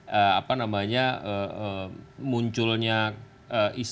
dan ini akan menjadi embryo konservatisme yang akan terus dipelihara nih akan disemai terus menerus